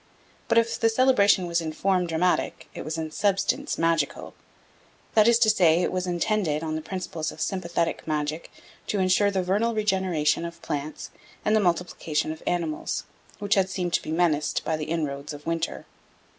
But if the celebration was in form dramatic, it was in substance magical; that is to say, it was intended, on the principles of sympathetic magic, to ensure the vernal regeneration of plants and the multiplication of animals, which had seemed to be menaced by the inroads of winter.